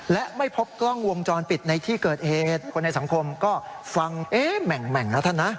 และไม่พบกล้องวงจรปิดในที่เกิดเหตุคนในสังคมก็ฟังเอ๊ะแหม่งนะท่านนะ